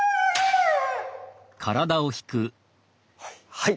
はい。